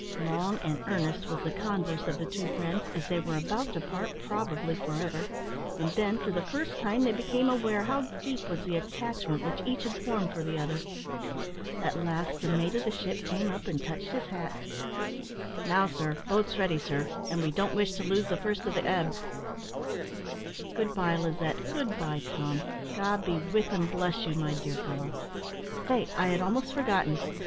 Long and earnest was the converse of the two friends, as they were about to part, probably for ever, and then, for the first time, they became aware how deep was the attachment which each had formed for the other. At last the mate of the ship came up, and touched his hat. "Now, sir, boat's ready, sir; and we don't wish to lose the first of the ebb." "Good bye, Lizette good bye, Tom! God be with and bless you, my dear fellow! Stay, I had almost forgotten.